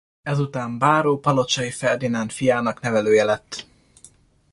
Ezután báró Palocsay Ferdinand fiának nevelője lett.